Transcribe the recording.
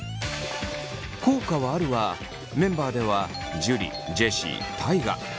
「効果はある」はメンバーでは樹ジェシー大我。